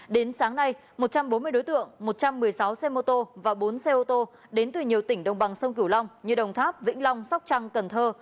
đến sáng nay một trăm bốn mươi đối tượng một trăm một mươi sáu xe mô tô và bốn xe ô tô đến từ nhiều tỉnh đồng bằng sông cửu long như đồng tháp vĩnh long sóc trăng cần thơ